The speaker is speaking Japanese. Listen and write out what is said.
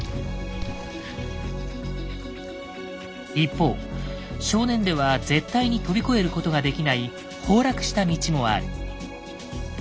一方少年では絶対に飛び越えることができない崩落した道もある。